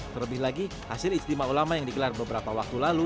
terlebih lagi hasil istimewa ulama yang digelar beberapa waktu lalu